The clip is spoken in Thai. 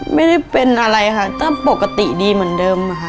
ไม่ได้เป็นอะไรค่ะก็ปกติดีเหมือนเดิมค่ะ